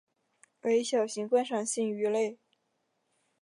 为小型观赏性鱼类。